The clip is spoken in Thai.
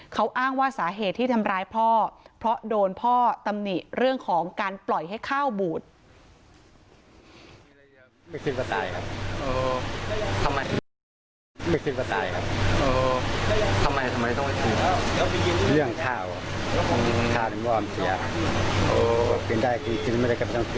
เขาอ้างว่าสาเหตุที่ทำร้ายพ่อเพราะโดนพ่อตำหนิเรื่องของการปล่อยให้ข้าวบูด